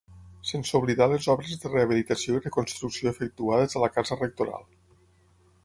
Sense oblidar les obres de rehabilitació i reconstrucció efectuades a la Casa rectoral.